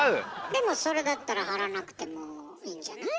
でもそれだったら張らなくてもいいんじゃない？